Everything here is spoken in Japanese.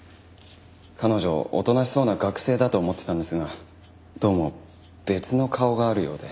彼女おとなしそうな学生だと思ってたんですがどうも別の顔があるようで。